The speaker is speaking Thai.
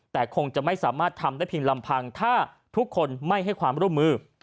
แต่คงจะไม่สามารถทำได้เพียงลำพังถ้าทุกคนไม่ให้ความร่วมมือ